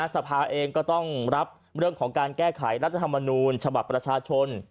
สภาเองก็ต้องรับเรื่องของการแก้ไขรัฐธรรมนูญฉบับประชาชน